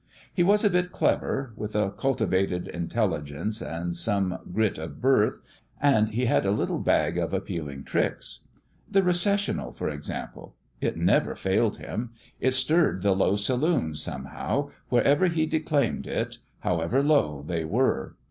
He was a bit clever with a cultivated intelligence and some grit of birth and he had a little bag of appealing tricks. The Recessional, for ex ample. It never failed him. It stirred the low saloons, somehow, wherever he declaimed it, how ever low they were.